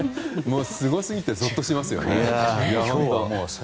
すごすぎてぞっとします。